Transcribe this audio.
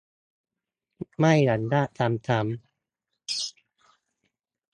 ไม่อนุญาตทำซ้ำ